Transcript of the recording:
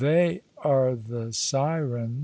They are the sirens."